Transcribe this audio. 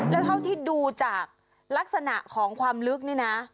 แล้วเท่าที่ดูจากลักษณะของความลึกนี่นะ